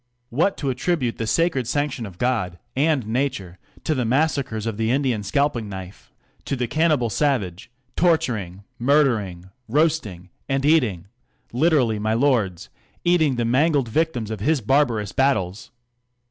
What ! to attribute the sacred sanction of God anci nature to the massacres of the Indian scalping knifc : to the cannibal savage, torturing, murdering, roasting, a.^d eatin ; 'literally, my lords, eating the mangled y r tims of his barbarous battles!